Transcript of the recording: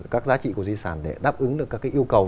các giá trị của di sản để đáp ứng được các yêu cầu